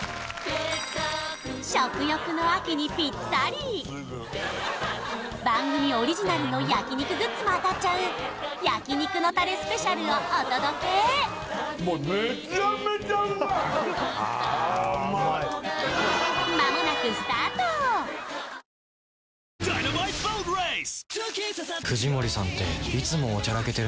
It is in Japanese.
今週の食欲の秋にぴったり番組オリジナルの焼肉グッズも当たっちゃう焼肉のタレスペシャルをお届けあうまいあうまいじゃがりこ細いやーつ